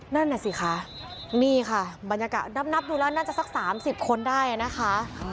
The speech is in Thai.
นั่นน่ะสิคะนี่ค่ะบรรยากาศนับดูแล้วน่าจะสัก๓๐คนได้นะคะ